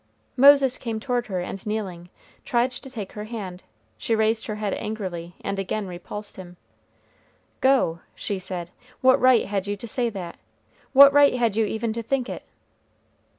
Moses came toward her, and kneeling, tried to take her hand. She raised her head angrily, and again repulsed him. "Go!" she said. "What right had you to say that? What right had you even to think it?"